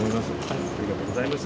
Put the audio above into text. ありがとうございます。